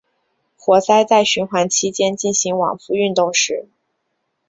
活塞在循环期间进行往复运动时。